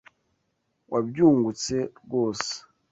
Wabyungutse rwose.